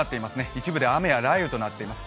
一部で雨や雷雨となっています。